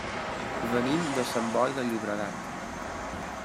Venim de Sant Boi de Llobregat.